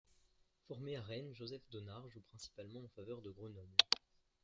Formé à Rennes, Joseph Donnard joue principalement en faveur de Grenoble.